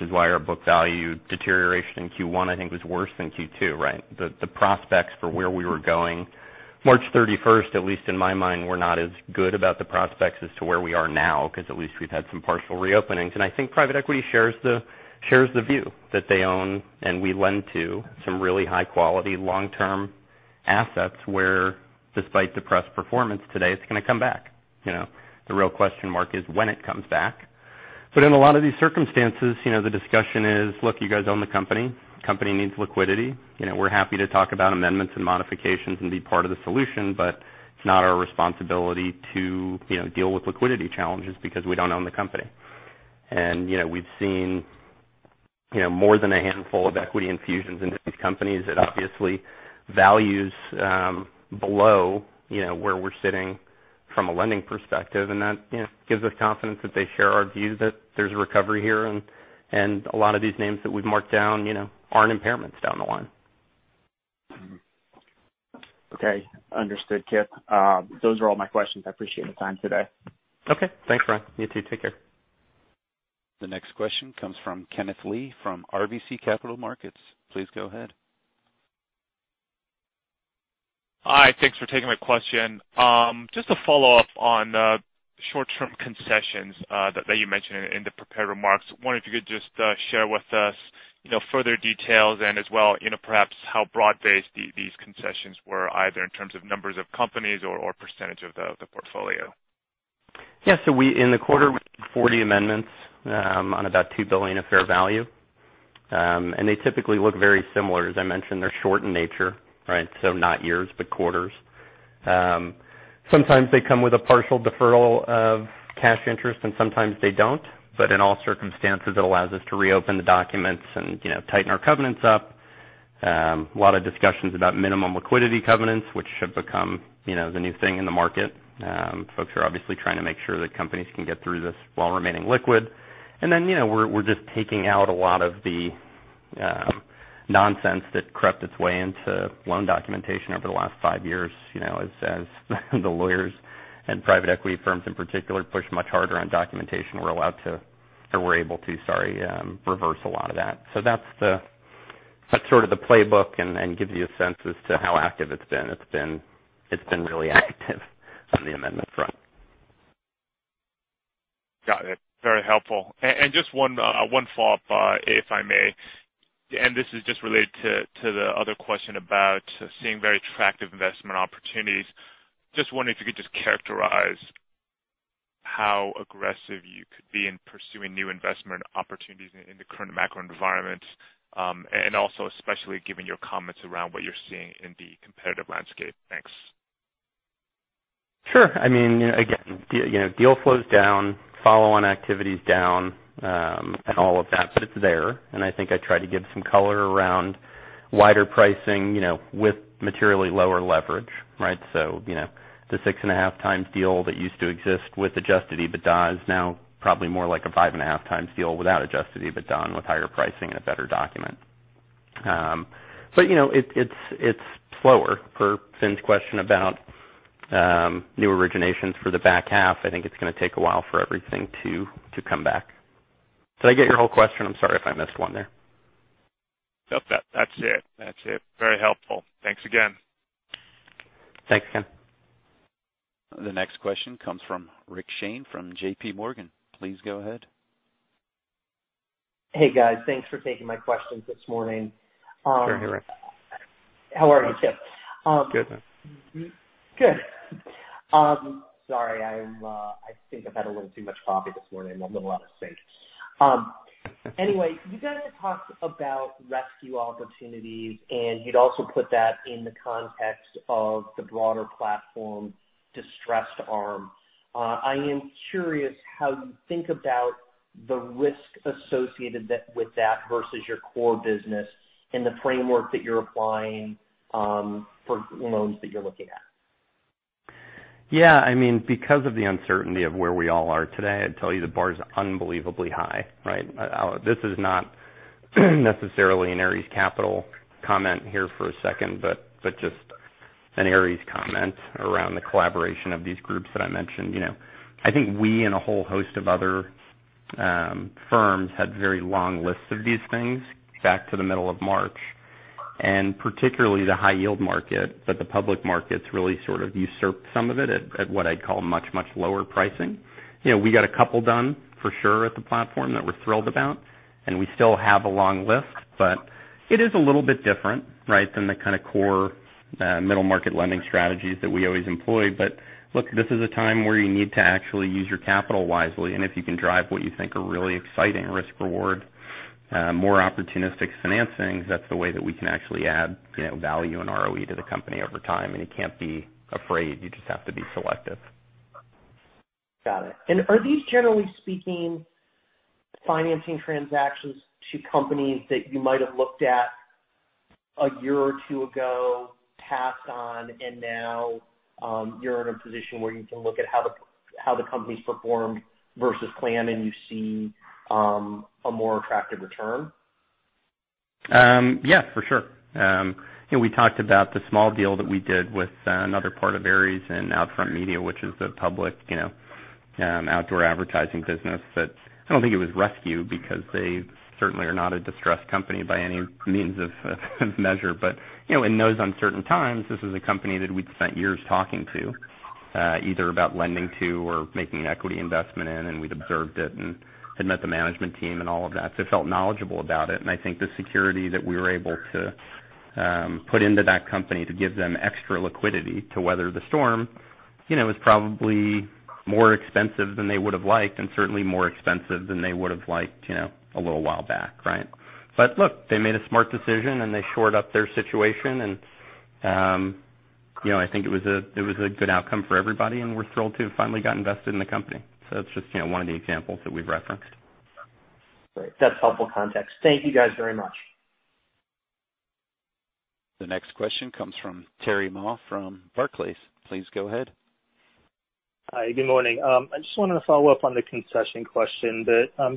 is why our book value deterioration in Q1, I think, was worse than Q2, right? The prospects for where we were going March 31st, at least in my mind, were not as good about the prospects as to where we are now, because at least we've had some partial reopenings. I think private equity shares the view that they own, and we lend to some really high quality long-term assets where despite depressed performance today, it's going to come back. The real question mark is when it comes back. In a lot of these circumstances, the discussion is, look, you guys own the company. Company needs liquidity. We're happy to talk about amendments and modifications and be part of the solution. It's not our responsibility to deal with liquidity challenges because we don't own the company. We've seen more than a handful of equity infusions into these companies at obviously values below where we're sitting from a lending perspective. That gives us confidence that they share our view that there's a recovery here and a lot of these names that we've marked down aren't impairments down the line. Okay. Understood, Kipp. Those are all my questions. I appreciate the time today. Okay, thanks, Ryan. You too. Take care. The next question comes from Kenneth Lee from RBC Capital Markets. Please go ahead. Hi. Thanks for taking my question. Just to follow up on short-term concessions that you mentioned in the prepared remarks. Wondering if you could just share with us further details and as well perhaps how broad-based these concessions were, either in terms of numbers of companies or percentage of the portfolio. In the quarter, we did 40 amendments on about $2 billion of fair value. They typically look very similar. As I mentioned, they're short in nature, right? Not years, but quarters. Sometimes they come with a partial deferral of cash interest and sometimes they don't. In all circumstances, it allows us to reopen the documents and tighten our covenants up. A lot of discussions about minimum liquidity covenants, which have become the new thing in the market. Folks are obviously trying to make sure that companies can get through this while remaining liquid. Then we're just taking out a lot of the nonsense that crept its way into loan documentation over the last five years, as the lawyers and private equity firms in particular, push much harder on documentation. We're able to, sorry, reverse a lot of that. That's sort of the playbook and gives you a sense as to how active it's been. It's been really active on the amendment front. Got it. Very helpful. Just one follow-up, if I may, and this is just related to the other question about seeing very attractive investment opportunities. Just wondering if you could just characterize how aggressive you could be in pursuing new investment opportunities in the current macro environment. Also especially given your comments around what you're seeing in the competitive landscape. Thanks. Sure. Again, deal flow is down, follow-on activity is down, and all of that. It's there, and I think I tried to give some color around wider pricing with materially lower leverage, right? The six and a half times deal that used to exist with adjusted EBITDA is now probably more like a five and a half times deal without adjusted EBITDA and with higher pricing and a better document. It's slower. For Finn's question about new originations for the back half, I think it's going to take a while for everything to come back. Did I get your whole question? I'm sorry if I missed one there. Yep. That's it. Very helpful. Thanks again. Thanks, Ken. The next question comes from Rick Shane from JPMorgan. Please go ahead. Hey, guys. Thanks for taking my questions this morning. Sure, Rick. How are you, Kipp? Good. Good. Sorry, I think I've had a little too much coffee this morning. I'm a little out of sync. You guys have talked about rescue opportunities, and you'd also put that in the context of the broader platform distressed arm. I am curious how you think about the risk associated with that versus your core business and the framework that you're applying for loans that you're looking at. Yeah. Because of the uncertainty of where we all are today, I'd tell you the bar is unbelievably high, right? This is not necessarily an Ares Capital comment here for a second, but just an Ares comment around the collaboration of these groups that I mentioned. I think we and a whole host of other firms had very long lists of these things back to the middle of March. Particularly the high-yield market, but the public markets really sort of usurped some of it at what I'd call much, much lower pricing. We got a couple done for sure at the platform that we're thrilled about, and we still have a long list, but it is a little bit different, right, than the kind of core middle-market lending strategies that we always employ. Look, this is a time where you need to actually use your capital wisely, and if you can drive what you think are really exciting risk-reward more opportunistic financings, that's the way that we can actually add value and ROE to the company over time. You can't be afraid. You just have to be selective. Got it. Are these, generally speaking, financing transactions to companies that you might have looked at a year or two ago, passed on, and now you're in a position where you can look at how the company's performed versus plan, and you see a more attractive return? Yeah, for sure. We talked about the small deal that we did with another part of Ares and OUTFRONT Media, which is a public outdoor advertising business that I don't think it was rescue because they certainly are not a distressed company by any means of measure. In those uncertain times, this was a company that we'd spent years talking to, either about lending to or making an equity investment in, and we'd observed it and had met the management team and all of that, so felt knowledgeable about it. I think the security that we were able to put into that company to give them extra liquidity to weather the storm is probably more expensive than they would've liked and certainly more expensive than they would've liked a little while back, right? Look, they made a smart decision, and they shored up their situation and I think it was a good outcome for everybody, and we're thrilled to have finally got invested in the company. It's just one of the examples that we've referenced. Great. That's helpful context. Thank you guys very much. The next question comes from Terry Ma from Barclays. Please go ahead. Hi, good morning. I just wanted to follow up on the concession question.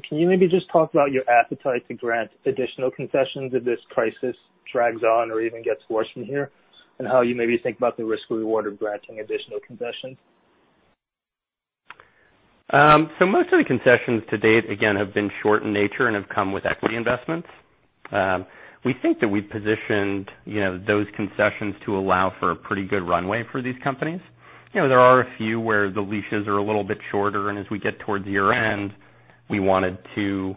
Can you maybe just talk about your appetite to grant additional concessions if this crisis drags on or even gets worse from here, and how you maybe think about the risk reward of granting additional concessions? Most of the concessions to date, again, have been short in nature and have come with equity investments. We think that we positioned those concessions to allow for a pretty good runway for these companies. There are a few where the leashes are a little bit shorter, and as we get towards year-end, we wanted to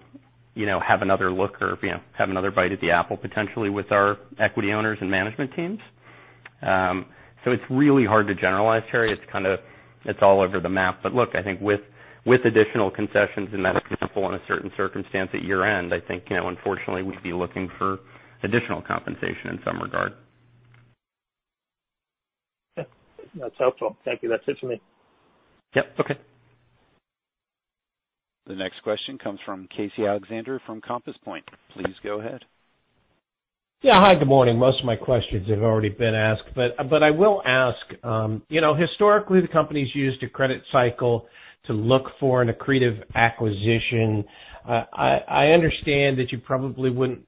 have another look or have another bite at the apple, potentially with our equity owners and management teams. It's really hard to generalize, Terry. It's all over the map. Look, I think with additional concessions in that example, in a certain circumstance at year-end, I think unfortunately we'd be looking for additional compensation in some regard. Okay. That's helpful. Thank you. That's it for me. Yep. Okay. The next question comes from Casey Alexander from Compass Point. Please go ahead. Hi, good morning. Most of my questions have already been asked. I will ask. Historically, the company's used a credit cycle to look for an accretive acquisition. I understand that you probably wouldn't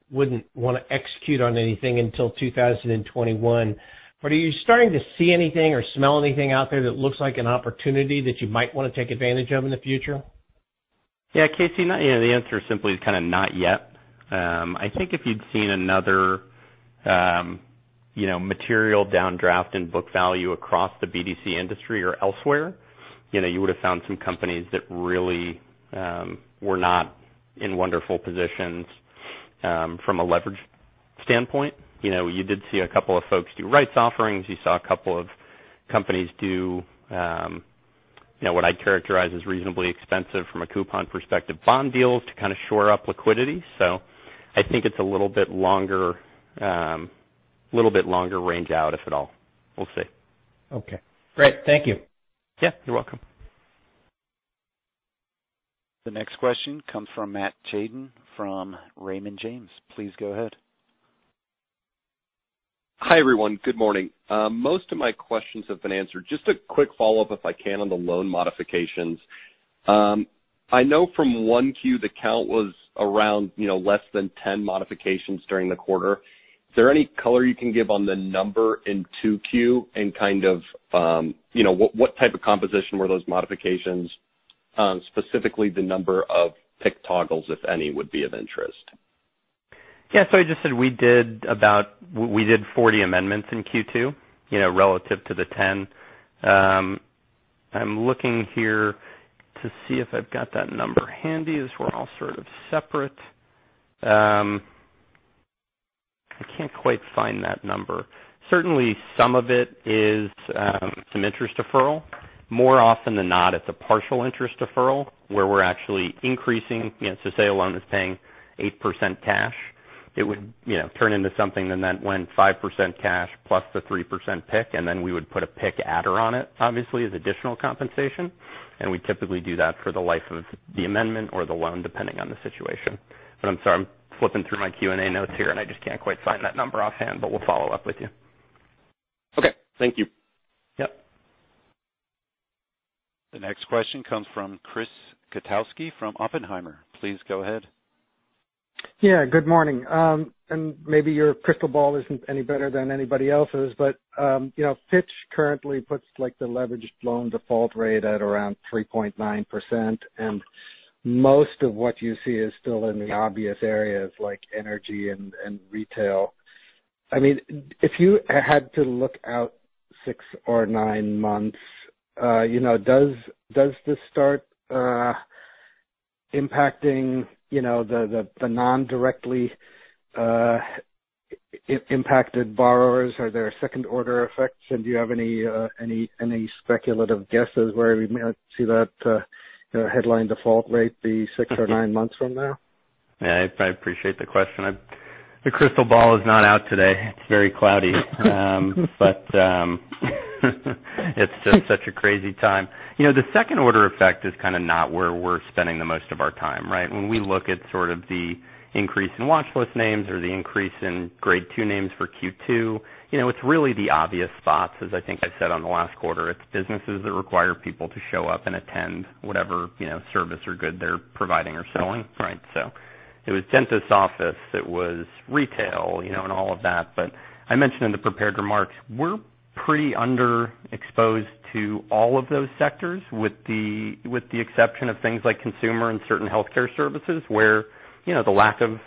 want to execute on anything until 2021, but are you starting to see anything or smell anything out there that looks like an opportunity that you might want to take advantage of in the future? Yeah, Casey, the answer simply is kind of not yet. I think if you'd seen another material downdraft in book value across the BDC industry or elsewhere, you would have found some companies that really were not in wonderful positions from a leverage standpoint. You did see a couple of folks do rights offerings. You saw a couple of companies do what I'd characterize as reasonably expensive from a coupon perspective, bond deals to kind of shore up liquidity. I think it's a little bit longer range out, if at all. We'll see. Okay, great. Thank you. Yeah, you're welcome. The next question comes from Robert Dodd from Raymond James. Please go ahead. Hi, everyone. Good morning. Most of my questions have been answered. Just a quick follow-up, if I can, on the loan modifications. I know from 1Q, the count was around less than 10 modifications during the quarter. Is there any color you can give on the number in 2Q and what type of composition were those modifications? Specifically, the number of PIK toggles, if any, would be of interest. Yeah. I just said we did 40 amendments in Q2 relative to the 10. I'm looking here to see if I've got that number handy as we're all sort of separate. I can't quite find that number. Certainly, some of it is some interest deferral. More often than not, it's a partial interest deferral where we're actually increasing. Say a loan is paying 8% cash. It would turn into something and then 5% cash plus the 3% PIK, and then we would put a PIK adder on it, obviously as additional compensation. We typically do that for the life of the amendment or the loan, depending on the situation. I'm sorry, I'm flipping through my Q&A notes here, and I just can't quite find that number offhand, but we'll follow up with you. Okay. Thank you. Yep. The next question comes from Chris Kotowski from Oppenheimer. Please go ahead. Yeah, good morning. Maybe your crystal ball isn't any better than anybody else's, but Fitch currently puts the leveraged loan default rate at around 3.9%, and most of what you see is still in the obvious areas like energy and retail. If you had to look out six or nine months, does this start impacting the non-directly impacted borrowers? Are there second-order effects, and do you have any speculative guesses where we might see that headline default rate be six or nine months from now? Yeah, I appreciate the question. The crystal ball is not out today. It's very cloudy. It's just such a crazy time. The second-order effect is kind of not where we're spending the most of our time, right? When we look at sort of the increase in watchlist names or the increase in grade 2 names for Q2, it's really the obvious spots, as I think I said on the last quarter. It's businesses that require people to show up and attend whatever service or good they're providing or selling, right? It was dentist office, it was retail, and all of that. I mentioned in the prepared remarks, we're pretty underexposed to all of those sectors, with the exception of things like consumer and certain healthcare services, where the lack of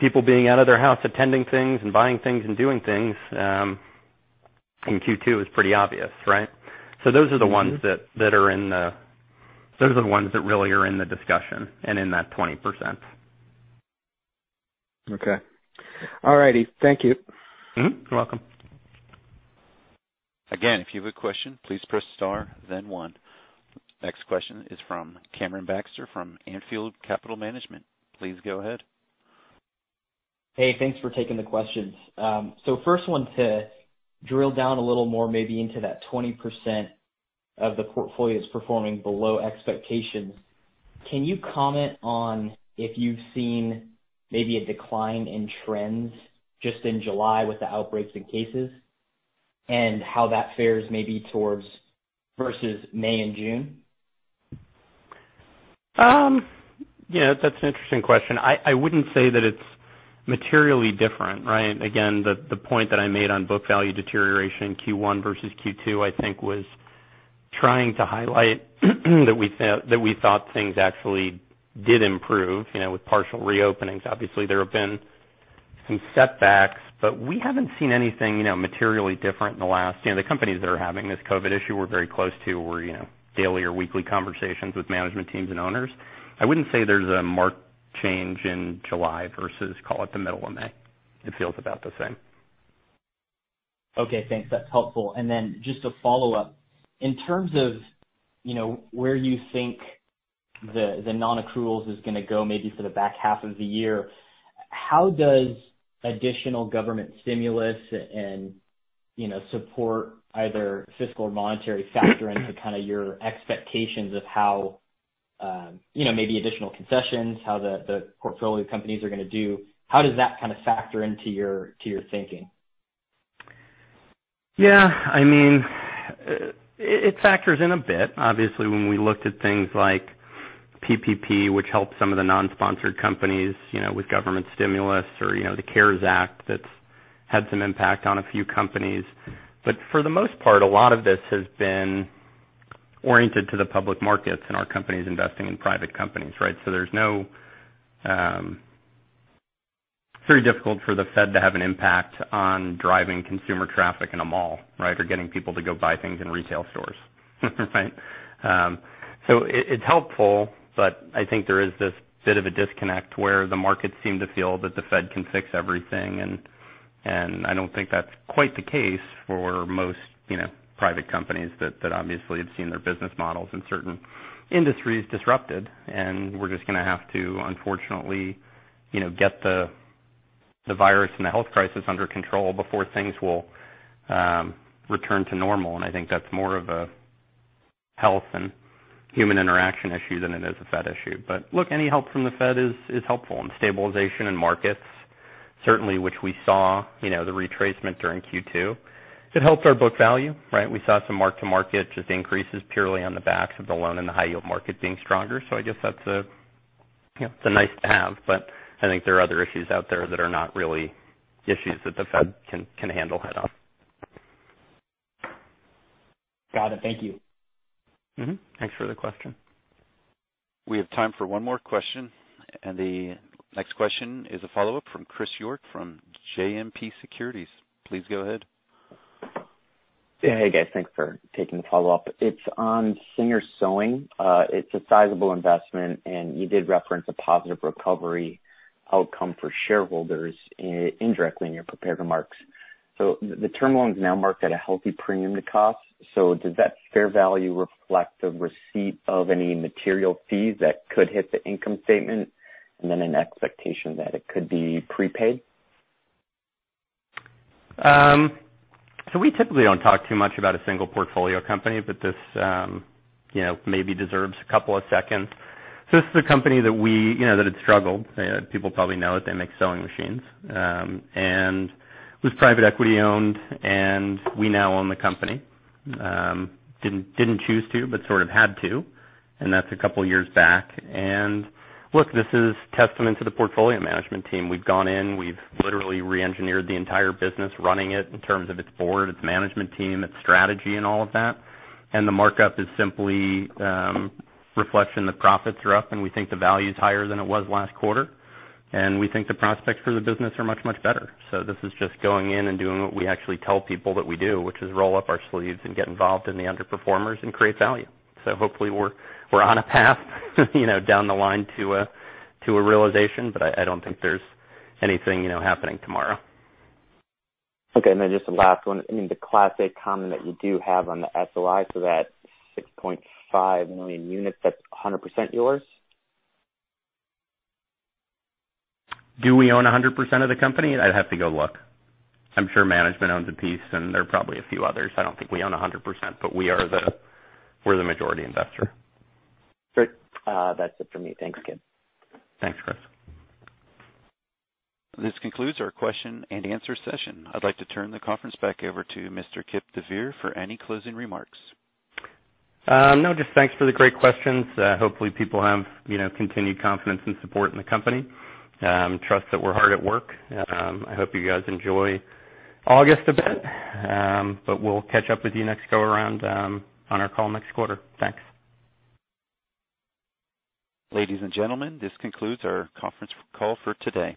people being out of their house attending things and buying things and doing things in Q2 is pretty obvious, right? Those are the ones that really are in the discussion and in that 20%. Okay. All right. Thank you. You're welcome. Again, if you have a question, please press star then one. Next question is from Cameron Baxter, from Anfield Capital Management. Please go ahead. Hey, thanks for taking the questions. First one to drill down a little more, maybe into that 20% of the portfolio that's performing below expectations. Can you comment on if you've seen maybe a decline in trends just in July with the outbreaks and cases, and how that fares maybe towards versus May and June? Yeah, that's an interesting question. I wouldn't say that it's materially different, right? Again, the point that I made on book value deterioration, Q1 versus Q2, I think, was trying to highlight that we thought things actually did improve, with partial reopenings. Obviously, there have been some setbacks, but we haven't seen anything materially different. The companies that are having this COVID issue we're very close to, where daily or weekly conversations with management teams and owners. I wouldn't say there's a marked change in July versus, call it the middle of May. It feels about the same. Okay, thanks. That's helpful. Just a follow-up. In terms of where you think the non-accruals is going to go, maybe for the back half of the year, how does additional government stimulus and support, either fiscal or monetary factor into your expectations of how maybe additional concessions, how the portfolio companies are going to do? How does that kind of factor into your thinking? Yeah. It factors in a bit. Obviously, when we looked at things like PPP, which helps some of the non-sponsored companies, with government stimulus or the CARES Act, that's had some impact on a few companies. For the most part, a lot of this has been oriented to the public markets and our companies investing in private companies, right? It's very difficult for the Fed to have an impact on driving consumer traffic in a mall, right? Getting people to go buy things in retail stores, right? It's helpful, but I think there is this bit of a disconnect where the markets seem to feel that the Fed can fix everything, and I don't think that's quite the case for most private companies that obviously have seen their business models in certain industries disrupted. We're just going to have to, unfortunately, get the virus and the health crisis under control before things will return to normal. I think that's more of a health and human interaction issue than it is a Fed issue. Look, any help from the Fed is helpful, and stabilization in markets, certainly, which we saw, the retracement during Q2. It helped our book value, right? We saw some mark-to-market just increases purely on the backs of the loan and the high yield market being stronger. I guess that's nice to have, but I think there are other issues out there that are not really issues that the Fed can handle head-on. Got it. Thank you. Thanks for the question. We have time for one more question. The next question is a follow-up from Christopher York from JMP Securities. Please go ahead. Hey, guys. Thanks for taking the follow-up. It is on Singer Sewing. It is a sizable investment. You did reference a positive recovery outcome for shareholders indirectly in your prepared remarks. The term loan is now marked at a healthy premium to cost. Does that fair value reflect the receipt of any material fees that could hit the income statement, and then an expectation that it could be prepaid? We typically don't talk too much about a single portfolio company, but this maybe deserves a couple of seconds. This is a company that had struggled. People probably know it. They make sewing machines. It was private equity owned, and we now own the company. Didn't choose to, but sort of had to, and that's a couple of years back. Look, this is testament to the portfolio management team. We've gone in, we've literally re-engineered the entire business, running it in terms of its board, its management team, its strategy, and all of that. The markup is simply a reflection that profits are up, and we think the value is higher than it was last quarter. We think the prospects for the business are much, much better. This is just going in and doing what we actually tell people that we do, which is roll up our sleeves and get involved in the underperformers and create value. Hopefully we're on a path down the line to a realization, but I don't think there's anything happening tomorrow. Okay, then just the last one. In the classic comment that you do have on the SOI for that 6.5 million units, that's 100% yours? Do we own 100% of the company? I'd have to go look. I'm sure management owns a piece, and there are probably a few others. I don't think we own 100%, but we're the majority investor. Great. That's it for me. Thanks, Kipp. Thanks, Chris. This concludes our question and answer session. I'd like to turn the conference back over to Mr. Kipp deVeer for any closing remarks. No, just thanks for the great questions. Hopefully people have continued confidence and support in the company. Trust that we're hard at work. I hope you guys enjoy August a bit. We'll catch up with you next go around on our call next quarter. Thanks. Ladies and gentlemen, this concludes our conference call for today.